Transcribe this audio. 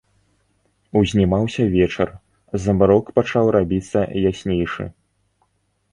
Узнімаўся вечар, змрок пачаў рабіцца яснейшы.